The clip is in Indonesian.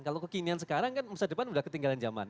kalau kekinian sekarang kan masa depan sudah ketinggalan zaman